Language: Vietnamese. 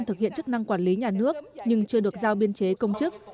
thực hiện chức năng quản lý nhà nước nhưng chưa được giao biên chế công chức